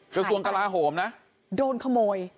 กระทรวงกลาโหมนะโดนขโมย